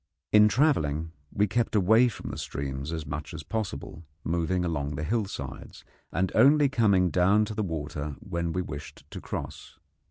In travelling we kept away from the streams as much as possible, moving along the hillsides, and only coming down to the water when we wished to cross.